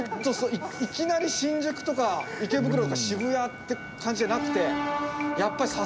いきなり新宿とか池袋とか渋谷って感じじゃなくてやっぱりさすがですね